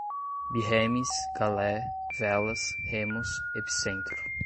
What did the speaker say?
birremes, galé, velas, remos, epicentro